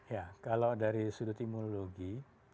ya kalau dari sudut imunologi